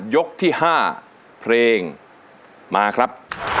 ยกที่๕เพลงมาครับ